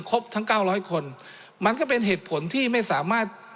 ครบทั้ง๙๐๐คนมันก็เป็นเหตุผลที่ไม่สามารถ